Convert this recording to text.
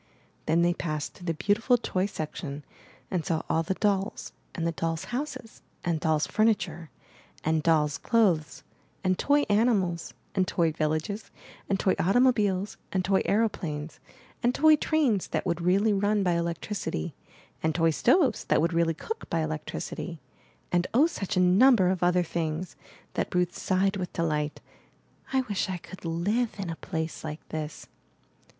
Then they passed through the beautiful toy section and saw all the dolls, and the dolls' houses, and dolls' furniture, and dolls' clothes, and toy animals, and toy villages, 406 IN THE NURSERY and toy automobiles, and toy aeroplanes; and toy trains, that would really run by electricity; and toy stoves, that would really cook by electricity; and oh, such a number of other things, that Ruth sighed with delight: '*I wish I could LIVE in a place like this!